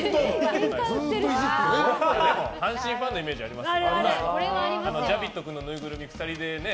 阪神ファンのイメージあります。